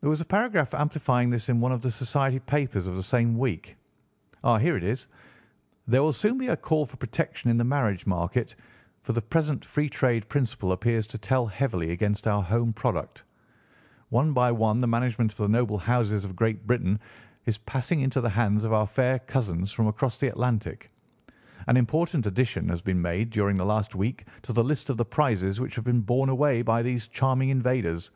"There was a paragraph amplifying this in one of the society papers of the same week. Ah, here it is: 'There will soon be a call for protection in the marriage market, for the present free trade principle appears to tell heavily against our home product. One by one the management of the noble houses of Great Britain is passing into the hands of our fair cousins from across the Atlantic. An important addition has been made during the last week to the list of the prizes which have been borne away by these charming invaders.